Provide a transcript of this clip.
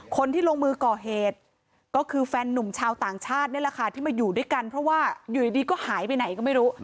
คนที่ลงมือก่อเหตุก็คือแฟนนุ่มชาวต่างชาตินี่แหละค่ะที่มาอยู่ด้วยกันเพราะว่าอยู่ดีก็หายไปไหนก็ไม่รู้